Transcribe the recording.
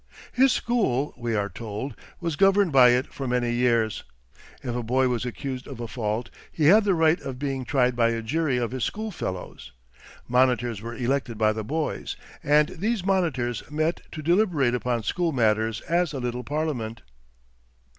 His school, we are told, was governed by it for many years. If a boy was accused of a fault, he had the right of being tried by a jury of his school fellows. Monitors were elected by the boys, and these monitors met to deliberate upon school matters as a little parliament.